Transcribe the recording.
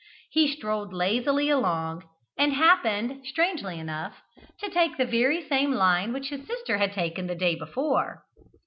He strolled lazily along, and happened, strangely enough, to take the very same line which his sister had taken the day before.